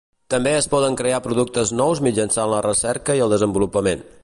També es poden crear productes nous mitjançant la recerca i el desenvolupament.